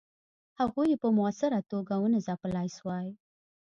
هغوی یې په موثره توګه ونه ځپلای سوای.